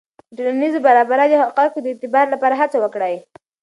د ټولنې د برابریو د حقایقو د اعتبار لپاره هڅه وکړئ.